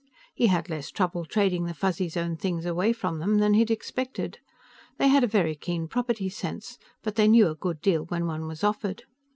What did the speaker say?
He had less trouble trading the Fuzzies' own things away from them than he had expected. They had a very keen property sense, but they knew a good deal when one was offered.